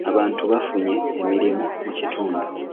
Abantu bafunye emirimu mu kitundu.